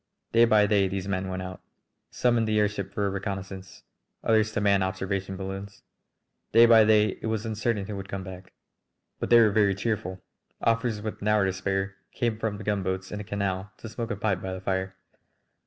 Day by day these men went out, some in the airship for a reconnoissance, others to man observation balloons. Day by day it was uncertain who would come back. But they were very cheerful. Officers with an hour to spare came up from the gunboats in the canal to smoke a pipe by the fire.